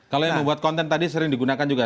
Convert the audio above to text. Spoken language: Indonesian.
kalau yang membuat konten tadi sering digunakan juga